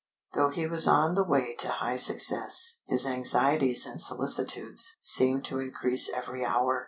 Though he was on the way to high success, his anxieties and solicitudes seemed to increase every hour.